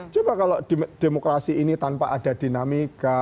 coba kalau demokrasi ini tanpa ada dinamika